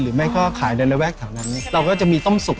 หรือไม่ค่อขายด้านแหลวแถวนั้นเราก็จะมีต้มสุก